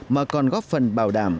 mà còn góp phần bảo đảm